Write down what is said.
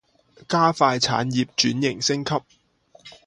加快产业转型升级